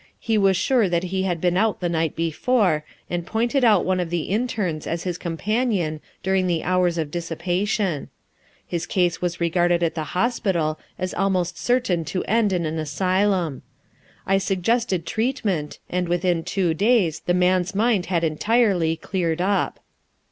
He was sure that he had been out the night before and pointed out one of the internes as his companion during the hours of dissipation. His case was regarded at the hospital as almost certain to end in an asylum. I suggested treatment and within two days the man's mind had entirely cleared up.